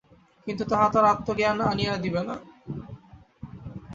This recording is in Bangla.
কিন্তু তাহা তো আর আত্মজ্ঞান আনিয়া দিবে না।